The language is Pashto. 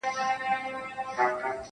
o دا هوښیار چي دی له نورو حیوانانو,